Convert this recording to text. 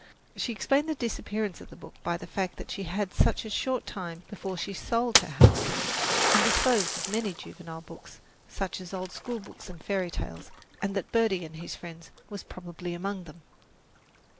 She explained the disappearance of the book by the fact that she had a short time before sold her house and disposed of many juvenile books, such as old schoolbooks and fairy tales, and that "Birdie and His Friends" was probably among them.